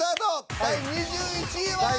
第２１位は。